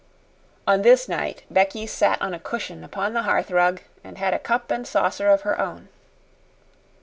On this night Becky sat on a cushion upon the hearth rug and had a cup and saucer of her own.